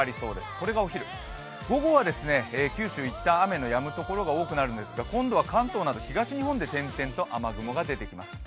これがお昼、午後はですね、九州、一旦、雨がやむところが多くなるんですが今度は関東など東日本で点々と雨雲が出てきます。